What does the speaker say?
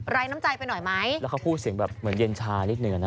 แล้วเขาพูดเสียงเหมือนเย็นชานิดหนึ่งนะ